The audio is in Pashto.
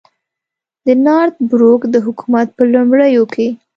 د نارت بروک د حکومت په لومړیو کې.